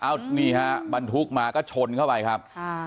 อ้าวนี่ฮะบรรทุกมาก็ชนเข้าไปครับ